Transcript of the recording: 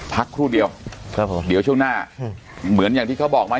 พักครู่เดียวครับผมเดี๋ยวช่วงหน้าเหมือนอย่างที่เขาบอกมา